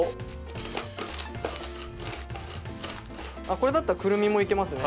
これだったらクルミもいけますね！